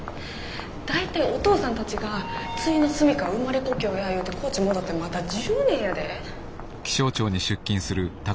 大体お父さんたちがついの住みかは生まれ故郷や言うて高知戻ってまだ１０年やで。